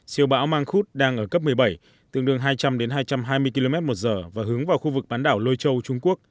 siêu bão mang khúc đang ở cấp một mươi bảy tương đương hai trăm linh hai trăm hai mươi km một giờ và hướng vào khu vực bán đảo lôi châu trung quốc